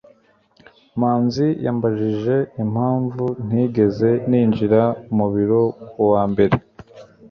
manzi yambajije impamvu ntigeze ninjira mu biro ku wa mbere